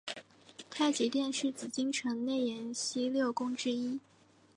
太极殿是紫禁城内廷西六宫之一。